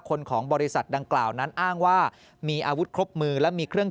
คนของบริษัทดังกล่าวนั้นอ้างว่ามีอาวุธครบมือและมีเครื่อง